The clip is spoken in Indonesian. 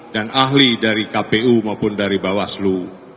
dan ahli dari kpu maupun dari bawaslu